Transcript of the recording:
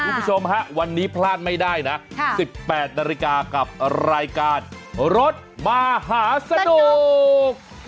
คุณผู้ชมฮะวันนี้พลาดไม่ได้นะ๑๘นาฬิกากับรายการรถมหาสนุก